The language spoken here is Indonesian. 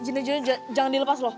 juno juno jangan dilepas loh